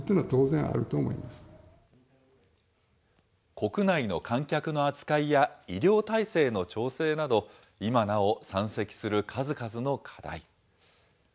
国内の観客の扱いや、医療体制の調整など、今なお山積する数々の課題。